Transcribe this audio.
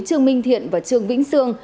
trương minh thiện và trương vĩnh sương